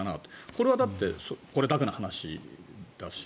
これは、だってこれだけの話だし。